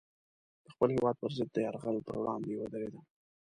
د خپل هېواد پر ضد د یرغل پر وړاندې ودرېدم.